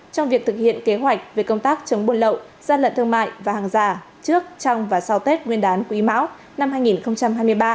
trong việc thực hiện kế hoạch về công tác chống buôn lậu gian lận thương mại và hàng giả trước trong và sau tết nguyên đán quý mão năm hai nghìn hai mươi ba